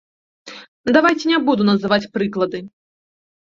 Давайце не буду называць прыклады.